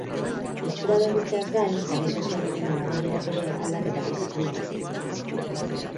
Itxura berritzeaz gain, sare sozial honen erabilerak ere aldaketak izan ditu.